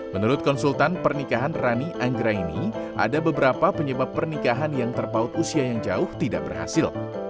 menurut konsultan pernikahan rani anggraini ada beberapa penyebab pernikahan yang terpaut usia yang jauh tidak berhasil